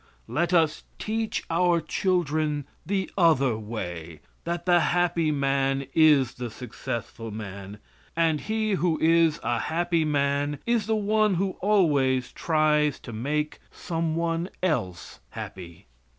Let us teach our children the other way, that the happy man is the successful man, and he who is a happy man is the one who always tries to make some one else happy.